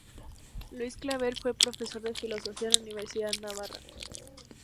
Lluis Clavell fue profesor de filosofía en la Universidad de Navarra.